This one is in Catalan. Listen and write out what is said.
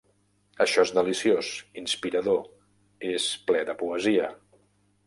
Això és deliciós, inspirador, és ple de poesia!